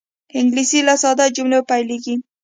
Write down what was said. انګلیسي له ساده جملو پیلېږي